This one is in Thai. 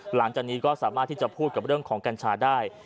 หลังจากนี้ก็สามารถที่จะพูดกับเรื่องของกัญชาได้